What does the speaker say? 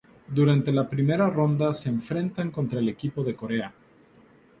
Durante la primera ronda, se enfrentan contra el equipo de Corea.